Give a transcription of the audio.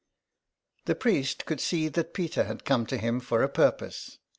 The priest could see that Peter had come to him for a purpose.